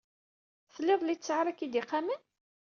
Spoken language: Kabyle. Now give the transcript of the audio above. Tlid littseɛ ara k-id-iqamen?